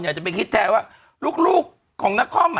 ว่าลูกของนักคอม